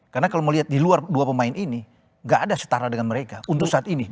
karena kalau melihat di luar dua pemain ini tidak ada setara dengan mereka untuk saat ini